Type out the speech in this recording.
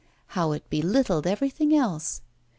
how it belittled everything else!